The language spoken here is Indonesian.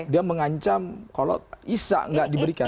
dia mengancam kalau isa tidak diberikan